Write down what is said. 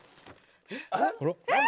「えっ！？」